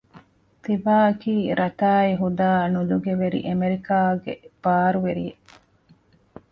ތިބާއަކީ ރަތާއި ހުދާއި ނުލުގެވެރި އެމެރިކާގެ ބާރުވެރިއެއް